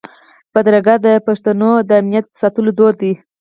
بدرګه د پښتنو د امنیت ساتلو دود دی.